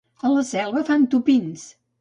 A la Selva fan tupins.